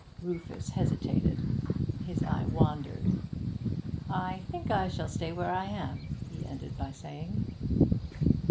Rufus hesitated. His eye wandered. 'I think I shall stay where I am,' he ended by saying.